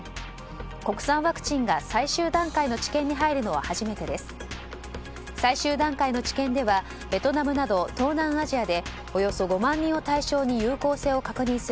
国産ワクチンが最終段階の治験に入るのは初めてです。